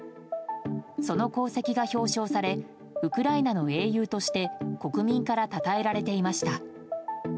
その功績が表彰されウクライナの英雄として国民からたたえられていました。